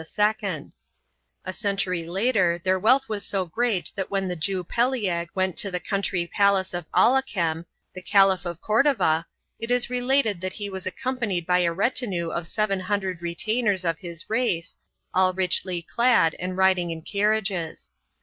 1 A century later their wealth was so great that when the Jew Peliag went to the country palace of Alhakem, the Caliph of Cordova, it is related that he was accom panied by a retinue of seven hundred retainers of his race, all richly clad and riding in carriages.